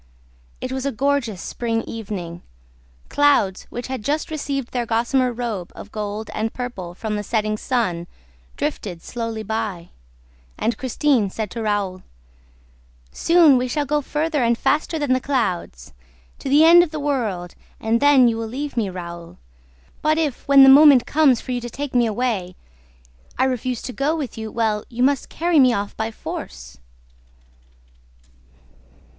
It was a gorgeous spring evening. Clouds, which had just received their gossamer robe of gold and purple from the setting sun, drifted slowly by; and Christine said to Raoul: "Soon we shall go farther and faster than the clouds, to the end of the world, and then you will leave me, Raoul. But, if, when the moment comes for you to take me away, I refuse to go with you well you must carry me off by force!"